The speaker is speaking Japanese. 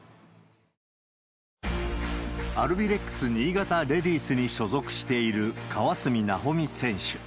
アルビレックス新潟レディースに所属している川澄奈穂美選手。